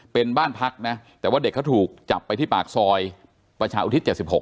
เป็นบ้านพักนะแต่ว่าเด็กเขาถูกจับไปที่ปากซอยประชาอุทิศ๗๖